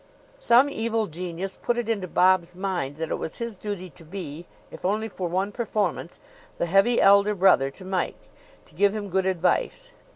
Some evil genius put it into Bob's mind that it was his duty to be, if only for one performance, the Heavy Elder Brother to Mike; to give him good advice.